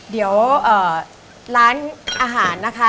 เดี๋ยวร้านอาหารนะคะ